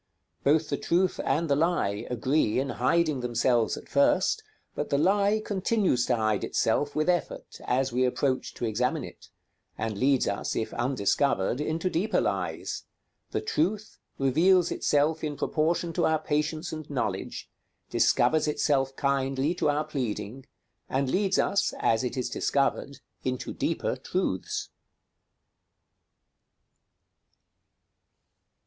Both the truth and the lie agree in hiding themselves at first, but the lie continues to hide itself with effort, as we approach to examine it; and leads us, if undiscovered, into deeper lies; the truth reveals itself in proportion to our patience and knowledge, discovers itself kindly to our pleading, and leads us, as it is discovered, into deeper truths.